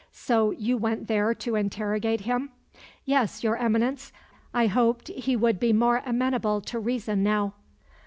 "So you went there to interrogate him?" "Yes, Your Eminence. I hoped he would be more amenable to reason now."